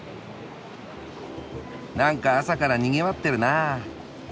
なんか朝からにぎわってるなあ。